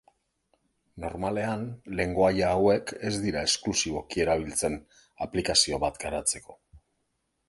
Normalean lengoaia hauek ez dira esklusiboki erabiltzen aplikazio bat garatzeko.